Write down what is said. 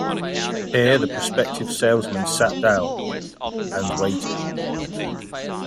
Here the prospective salesmen sat down — and waited.